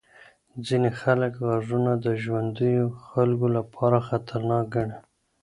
ځینې خلک غږونه د ژوندیو خلکو لپاره خطرناک ګڼي.